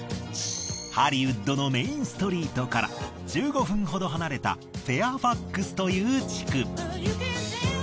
ハリウッドのメインストリートから１５分ほど離れたフェアファックスという地区。